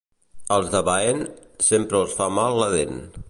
Als de Baén, sempre els fa mal la dent.